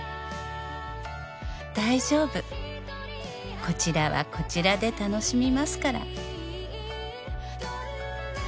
「大丈夫こちらはこちらで楽しみますから」